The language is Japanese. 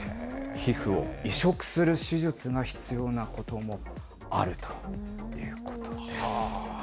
皮膚を移植する手術が必要なこともあるということです。